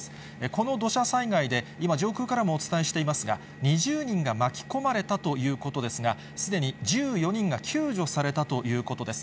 この土砂災害で今、上空からもお伝えしていますが、２０人が巻き込まれたということですが、すでに１４人が救助されたということです。